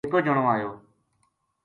اِکو جنو آیو